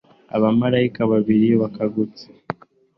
Abamarayika babiri bakangutse